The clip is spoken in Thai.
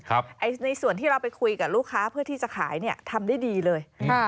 ในส่วนที่เราไปคุยกับลูกค้าเพื่อที่จะขายเนี่ยทำได้ดีเลย